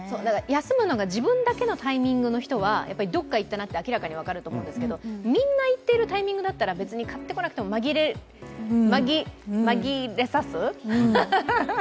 休むのが自分だけのタイミングの人はどこかに行ったなと明らかに分かるんですけど、みんな行っているタイミングだったら別に買ってこなくても、紛れさす